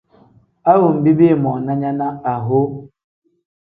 A wenbi biimoona nya ne aho.